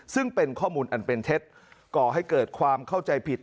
ซึ่งเป็นข้อมูลอันเป็นเท็จก่อให้เกิดความเข้าใจผิด